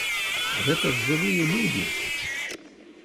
Гэта ж жывыя людзі!